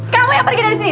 kamu yang pergi dari sini